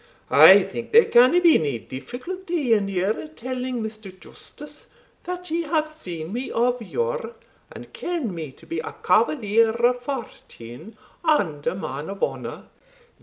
I think there can be nae difficulty in your telling Mr. Justice, that ye have seen me of yore, and ken me to be a cavalier of fortune, and a man of honour.